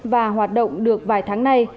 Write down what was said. và hoạt động được vài tháng nay